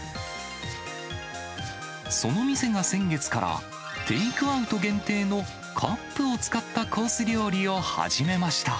その店が先月から、テイクアウト限定のカップを使ったコース料理を始めました。